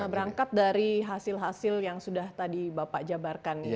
berangkat dari hasil hasil yang sudah tadi bapak jabarkan ya